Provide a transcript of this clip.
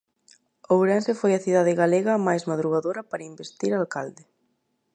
Ourense foi a cidade galega máis madrugadora para investir alcalde.